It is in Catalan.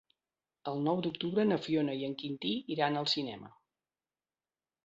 El nou d'octubre na Fiona i en Quintí iran al cinema.